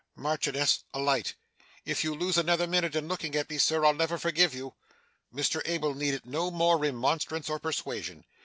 Marchioness, a light! If you lose another minute in looking at me, sir, I'll never forgive you!' Mr Abel needed no more remonstrance or persuasion.